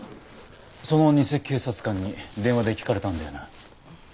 その偽警察官に電話で聞かれたんだよな？